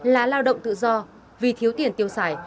là lao động tự do vì thiếu tiền tiêu xài